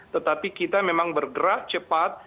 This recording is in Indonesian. tetapi kita memang bergerak cepat